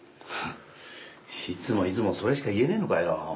ふっいつもいつもそれしか言えねえのかよ！